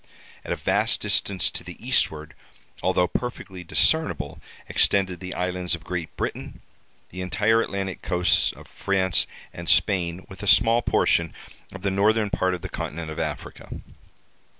At a vast distance to the eastward, although perfectly discernible, extended the islands of Great Britain, the entire Atlantic coasts of France and Spain, with a small portion of the northern part of the continent of Africa.